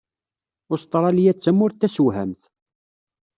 Ustṛalya d tamurt tasewhamt.